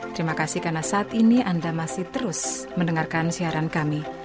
terima kasih karena saat ini anda masih terus mendengarkan siaran kami